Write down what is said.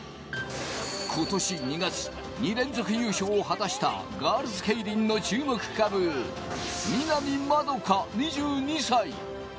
今年２月、２連続優勝を果たしたガールズケイリンの注目株、南円佳、２２歳。